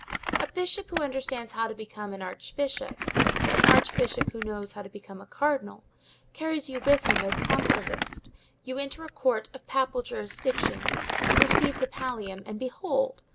A bishop who understands how to become an archbishop, an archbishop who knows how to become a cardinal, carries you with him as conclavist; you enter a court of papal jurisdiction, you receive the pallium, and behold!